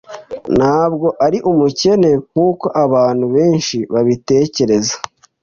ntabwo ari umukene nkuko abantu benshi babitekereza.